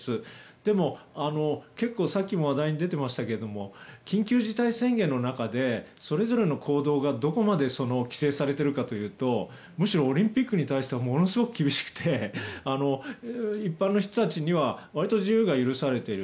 でも、結構さっきも話題に出てましたけども緊急事態宣言の中でそれぞれの行動がどこまで規制されているかというとむしろオリンピックに対してはものすごく厳しくて一般の人たちにはわりと自由が許されている。